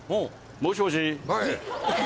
もしもし？